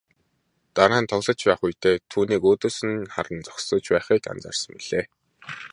Дараа нь тоглож байх үедээ түүнийг өөдөөс минь харан зогсож байхыг анзаарсан билээ.